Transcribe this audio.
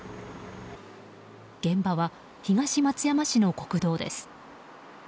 現場は東松山市の国道です。